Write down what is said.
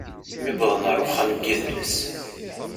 Mi wwḍen ɣer uxxam n yidles.